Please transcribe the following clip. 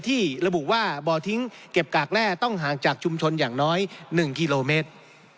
ที่ระบุว่าบ่อทิ้งเก็บกากแร่ต้องห่างจากชุมชนอย่างน้อย๑กิโลเมตร